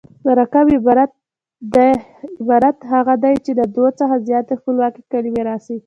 مرکب عبارت هغه دﺉ، چي له دوو څخه زیاتي خپلواکي کلیمې راسي.